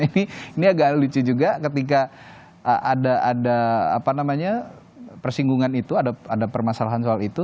ini agak lucu juga ketika ada persinggungan itu ada permasalahan soal itu